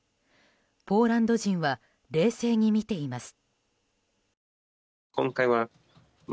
ポーランド人は冷静に見ています。